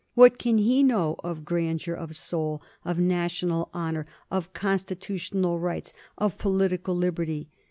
What can he know of grandeur of soul, of national honor, of constitutional rights, of political lib erty